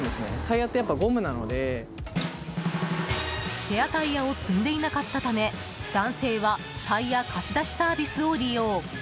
スペアタイヤを積んでいなかったため男性はタイヤ貸し出しサービスを利用。